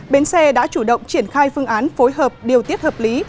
bến xe đã chủ động triển khai phương án phối hợp điều tiết hợp lý